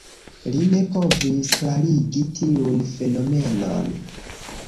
Li ne povis klarigi tiun fenomenon.